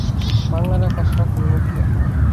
বাংলার আকাশ রাখিব মুক্ত।